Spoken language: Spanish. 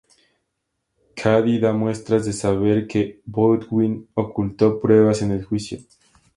Cady da muestras de saber que Bowden ocultó pruebas en el juicio.